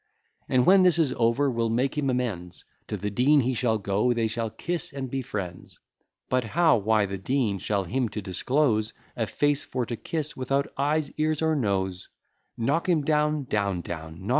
And, when this is over, we'll make him amends, To the Dean he shall go; they shall kiss and be friends: But how? Why, the Dean shall to him disclose A face for to kiss, without eyes, ears, or nose. Knock him down, etc.